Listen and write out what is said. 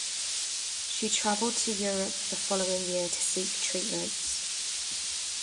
She travelled to Europe the following year to seek treatments.